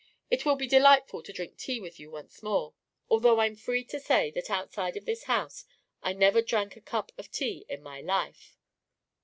It will be delightful to drink tea with you once more, although I'm free to say that outside of this house I never drank a cup of tea in my life."